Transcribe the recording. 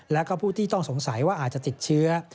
แล้วก็ผู้ที่ต้องสงสัยว่าอาจจะติดเชื้อ